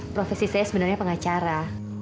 profesi saya sebenarnya pengacara